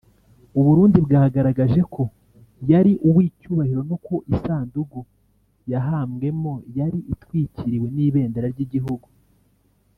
u Burundi bwagaragaje ko yari uw’icyubahiro no ku isanduku yahambwemo yari itwikiriwe n’ibendera ry’igihugu